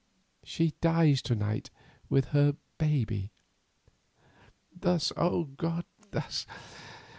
She dies to night with her babe—thus, oh God, thus!